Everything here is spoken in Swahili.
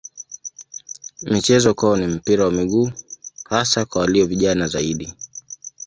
Michezo kwao ni mpira wa miguu hasa kwa walio vijana zaidi.